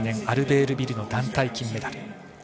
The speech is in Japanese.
１９９２年アルベールビルの団体金メダル。